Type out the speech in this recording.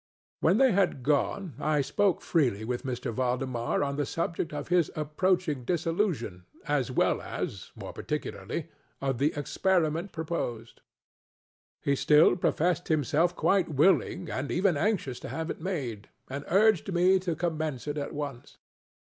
When they had gone, I spoke freely with M. Valdemar on the subject of his approaching dissolution, as well as, more particularly, of the experiment proposed. He still professed himself quite willing and even anxious to have it made, and urged me to commence it at once.